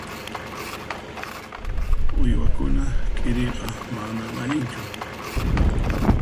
Uywakuna k'iriyqa manan allinchu.